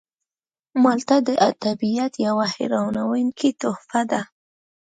مالټه د طبیعت یوه حیرانوونکې تحفه ده.